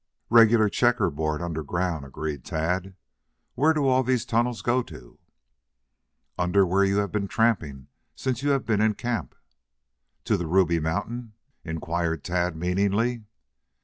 "Regular checker board under ground," agreed Tad. "Where do all those tunnels go to?" "Under where you have been tramping since you have been in camp." "To the Ruby Mountain?" inquired Tad meaningly.